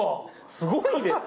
すごいです！